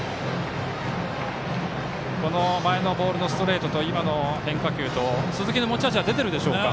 この前のボールのストレートと今の変化球と鈴木の持ち味は出ているでしょうか？